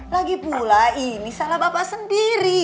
lagipula ini salah bapak sendiri